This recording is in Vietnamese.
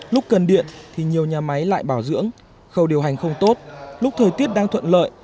lúc cần điện thì nhiều nhà máy lại bảo dưỡng khâu điều hành không tốt lúc thời tiết đang thuận lợi